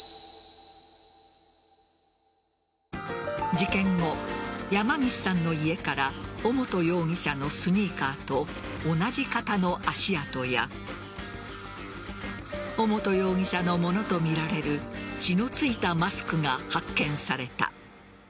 事件後、山岸さんの家から尾本容疑者のスニーカーと同じ形の足跡や尾本容疑者のものとみられる血のついたマスクが発見された。